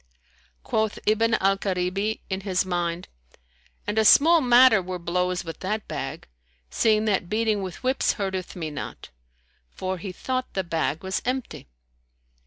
Quoth Ibn al Karibi in his mind, "And a small matter were blows with that bag, seeing that beating with whips hurteth me not;" for he thought the bag was empty.